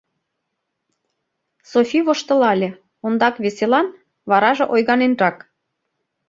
— Софи воштылале, ондак веселан, вараже ойганенрак.